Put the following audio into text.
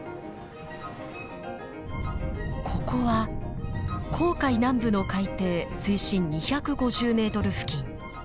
ここは紅海南部の海底水深２５０ｍ付近。